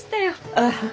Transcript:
ああ。